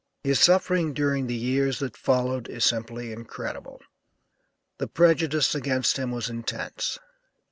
His suffering during the years that followed is simply incredible. The prejudice against him was intense.